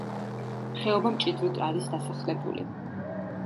ხეობა მჭიდროდ არის დასახლებული.